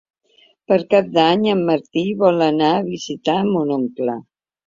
Per Cap d'Any en Martí vol anar a visitar mon oncle.